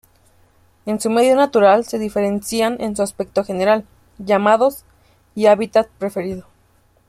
En su medio natural se diferencian en su aspecto general, llamados y hábitat preferido.